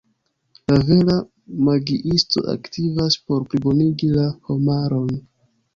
La vera magiisto aktivas por plibonigi la homaron.